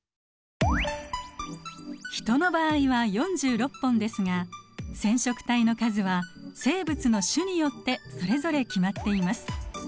ヒトの場合は４６本ですが染色体の数は生物の種によってそれぞれ決まっています。